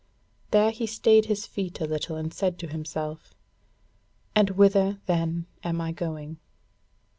There he stayed his feet a little, and said to himself: "And whither then am I going?"